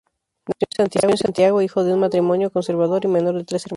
Nació en Santiago, hijo de un matrimonio conservador y menor de tres hermanos.